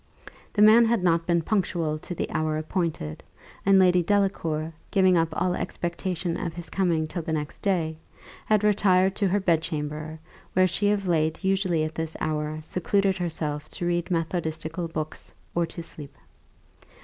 The man had not been punctual to the hour appointed; and Lady Delacour, giving up all expectation of his coming till the next day, had retired to her bedchamber, where she of late usually at this hour secluded herself to read methodistical books, or to sleep.